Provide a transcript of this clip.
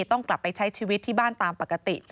ต้องกลับไปใช้ชีวิตที่บ้านตามปกติ